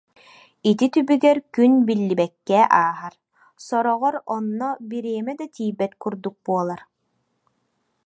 Ити түбүгэр күн биллибэккэ ааһар, сороҕор онно бириэмэ да тиийбэт курдук буолар